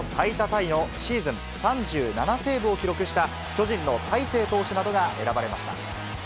タイのシーズン３７セーブを記録した、巨人の大勢投手などが選ばれました。